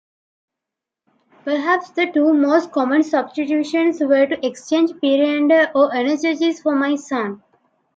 Perhaps the two most common substitutions were to exchange Periander or Anacharsis for Myson.